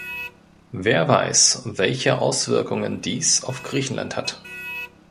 Wer weiß, welche Auswirkungen dies auf Griechenland hat.